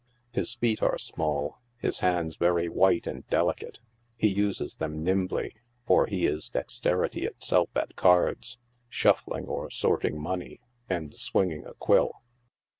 His feet are small, his hands very white and delicate j he uses them nimbly, for he is dexterity itself at cards, shuffling or sorting money and swinging a quill.